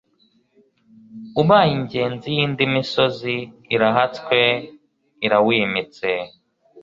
Ubaye ingenzi y'indi misozi Irahatswe irawimitse,